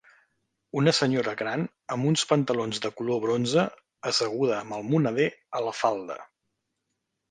Una senyora gran amb uns pantalons de color bronze asseguda amb el moneder a la falda